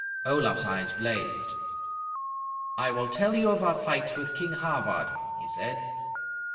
Olaf's eyes blazed. "I will tell you of our fight with King Havard," he said.